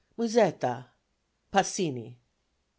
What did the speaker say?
Musetta PASINI.